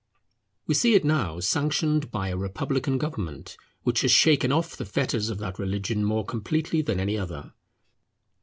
We see it now sanctioned by a republican government which has shaken off the fetters of that religion more completely than any other.